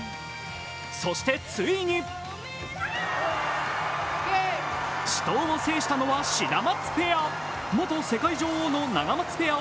そしてついに死闘を制したのはシダマツペア。